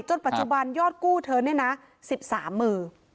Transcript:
ปัจจุบันยอดกู้เธอเนี่ยนะ๑๓มือ